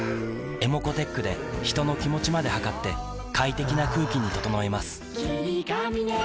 ｅｍｏｃｏーｔｅｃｈで人の気持ちまで測って快適な空気に整えます